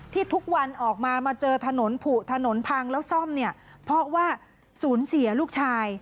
ทุกวันออกมามาเจอถนนผูถนนพังแล้วซ่อมเนี่ยเพราะว่าสูญเสียลูกชาย